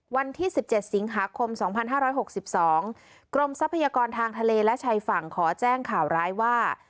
วันที่สิบเจ็ดสิงหาคมสองพันห้าร้อยหกสิบสองกรมทางทะเลและชายฝั่งขอแจ้งข่าวร้ายว่า